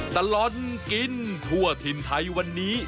ตลอดกินทั่วถิ่นไทยวันนี้